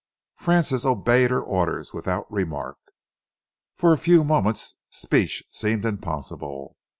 Francis obeyed her orders without remark. For a few moments, speech seemed impossible.